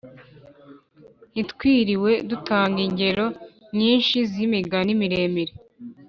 Ntitwiriwe dutanga ingero nyinshi z’imigani miremire.